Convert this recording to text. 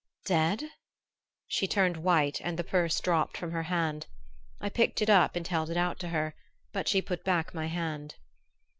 "Dead!" She turned white and the purse dropped from her hand. I picked it up and held it out to her, but she put back my hand.